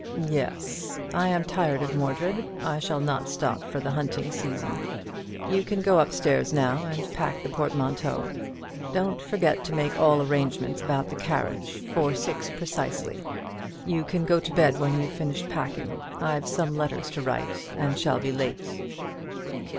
"Yes, I am tired of Mordred. I shall not stop for the hunting season. You can go up stairs now and pack the portmanteau. Don't forget to make all arrangements about the carriage; for six precisely. You can go to bed when you've finished packing. I've some letters to write, and shall be late."